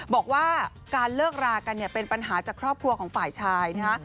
บอกว่าการเลิกรากันเนี่ยเป็นปัญหาจากครอบครัวของฝ่ายชายนะคะ